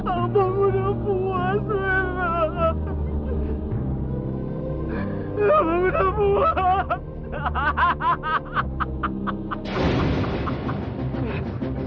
abang udah puas ya abang udah puas